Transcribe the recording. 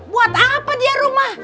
buat apa dia rumah